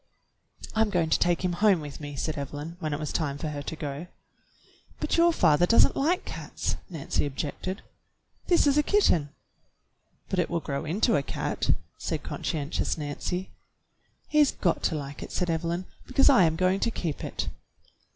"I'm going to take him home with me," said Evelyn, when it was time for her to go. "But your father does n't like cats," Nancy objected. "This is a kitten." "But it will grow into a cat," said conscientious Nancy. "He's got to like it," said Evelyn, "because I am going to keep it."